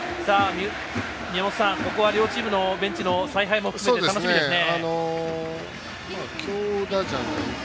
宮本さん、ここは両チームのベンチの采配含めて楽しみですね。